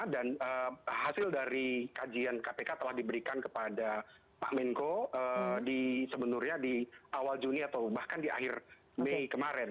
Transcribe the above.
dan hasil dari kajian kpk telah diberikan kepada pak menko sebenarnya di awal juni atau bahkan di akhir mei kemarin